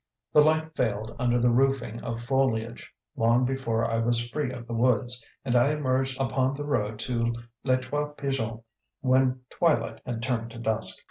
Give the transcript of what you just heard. The light failed under the roofing of foliage long before I was free of the woods, and I emerged upon the road to Les Trois Pigeons when twilight had turned to dusk.